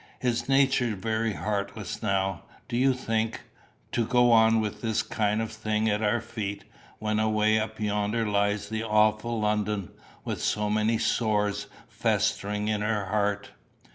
"Is Nature very heartless now, do you think, to go on with this kind of thing at our feet, when away up yonder lies the awful London, with so many sores festering in her heart?"